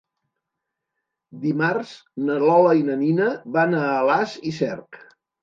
Dimarts na Lola i na Nina van a Alàs i Cerc.